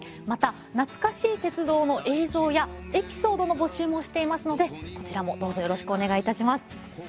また懐かしい鉄道の映像やエピソードの募集もしていますのでこちらもどうぞよろしくお願い致します。